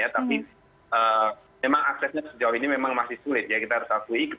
tapi memang aksesnya sejauh ini memang masih sulit ya kita harus akui